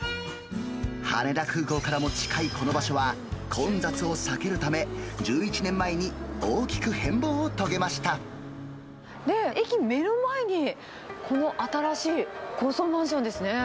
羽田空港からも近いこの場所は、混雑を避けるため、１１年前に大駅、目の前に、この新しい高層マンションですね。